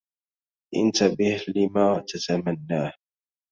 انتبه لما تتمنّاه.